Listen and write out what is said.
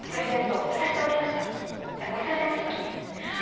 「忘れてました」って。